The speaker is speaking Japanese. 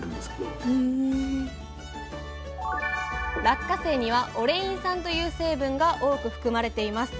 落花生にはオレイン酸という成分が多く含まれています。